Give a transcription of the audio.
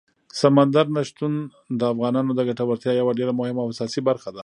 سمندر نه شتون د افغانانو د ګټورتیا یوه ډېره مهمه او اساسي برخه ده.